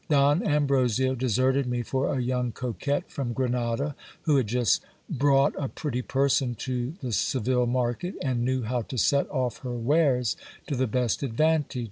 Don Ambrosio deserted me for a young coquette from Grenada, who had just brought a pretty person to the Seville market, and knew how to set off her wares to the best advantage.